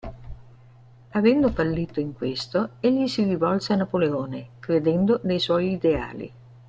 Avendo fallito in questo, egli si rivolse a Napoleone, credendo nei suoi ideali.